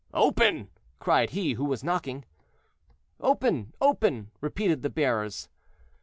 "Open!" cried he who was knocking. "Open! open!" repeated the bearers.